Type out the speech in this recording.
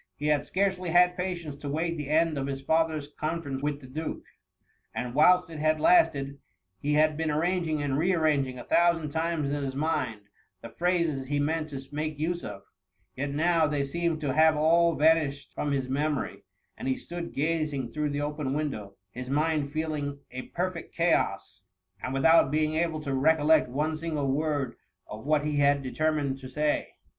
He had scarcely had patience to wait the end of his father's con ference with the duke ;.^ and whilst it had lasted, he had been arranging and re arranging a thou sand times in his mind, the phrases he meant to make use of ; yet now they seemed to have all vanished from his memory, and he stood gazing through the open window, his mind feeling a perfect chaos, and without being able to recol lect one single word of what he had determined to say. £ 5 62 THE MUMMY.